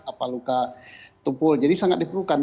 apa luka tumpul jadi sangat diperlukan